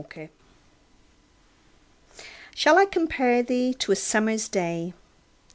XVIII Shall I compare thee to a summer's day?